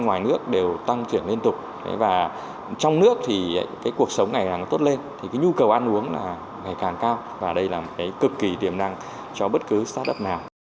ở ngoài nước đều tăng trưởng liên tục và trong nước thì cái cuộc sống ngày càng tốt lên thì cái nhu cầu ăn uống là ngày càng cao và đây là một cái cực kỳ tiềm năng cho bất cứ start up nào